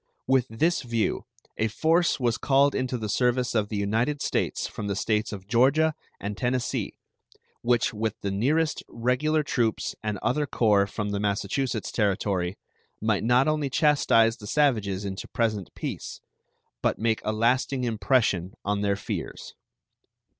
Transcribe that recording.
With this view a force was called into the service of the United States from the States of Georgia and Tennessee, which, with the nearest regular troops and other corps from the Massachussets Territory, might not only chastise the savages into present peace but make a lasting impression on their fears.